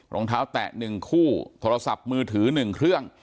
รองเท้าแตะ๑คู่โทรศัพท์มือถือ๑เครื่อง